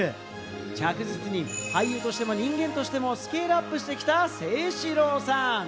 着実に俳優としても人間としてもスケールアップしてきた清史郎さん。